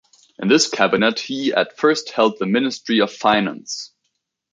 In this cabinet he at first held the ministry of finance.